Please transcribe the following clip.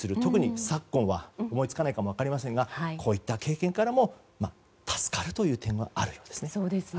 特に昨今は思いつかないかもしれませんがこういった経験からも助かるという点もあるんですね。